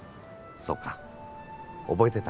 そうか覚えてたか。